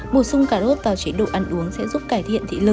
một sung cà rốt vào chế độ ăn uống sẽ giúp cải thiện thị lực